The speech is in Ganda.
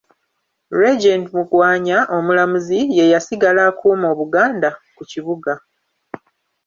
Regent Magwanya Omulamuzi ye yasigala akuuma Obuganda ku kibuga.